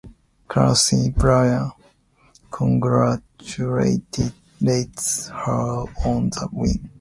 Marcie arrives and Charlie Brown congratulates her on the win.